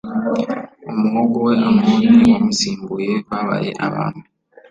umuhungu we amoni wamusimbuye babaye abami